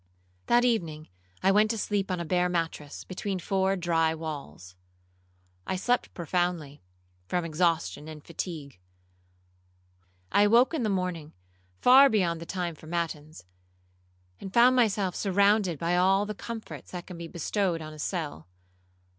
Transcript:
'That evening I went to sleep on a bare mattress, between four dry walls. I slept profoundly, from exhaustion and fatigue. I awoke in the morning far beyond the time for matins, and found myself surrounded by all the comforts that can be bestowed on a cell.